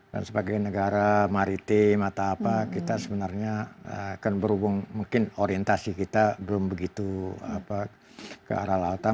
dan sebagai negara maritim atau apa kita sebenarnya akan berhubung mungkin orientasi kita belum begitu ke arah lautan